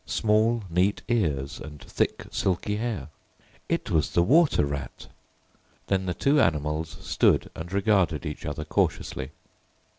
Small neat ears and thick silky hair. It was the Water Rat! Then the two animals stood and regarded each other cautiously.